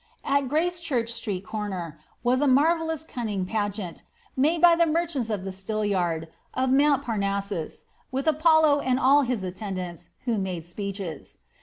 At Gracechurch Street corner was a ^ marvellous cunning pageant,'' made by the merchants of the Still yard of mount Parnassus, with Apollo and all his attendants, who made speeches.